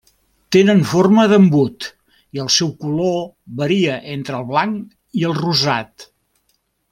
Tenen forma d'embut i el seu color varia entre el blanc i el rosat.